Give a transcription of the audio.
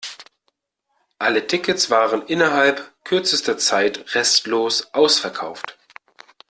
Alle Tickets waren innerhalb kürzester Zeit restlos ausverkauft.